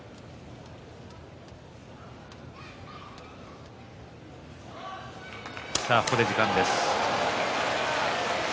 拍手ここで時間です。